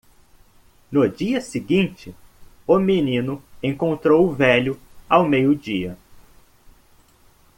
No dia seguinte? o menino encontrou o velho ao meio-dia.